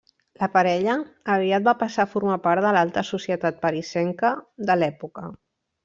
La parella aviat va passar a formar part de l'alta societat parisenca de l'època.